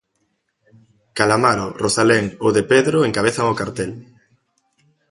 Calamaro, Rozalén ou Depedro encabezan o cartel.